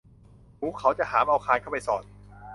หมูเขาจะหามเอาคานเข้าไปสอด